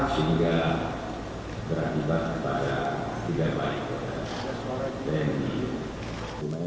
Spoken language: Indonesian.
sehingga berakibat pada tidak baik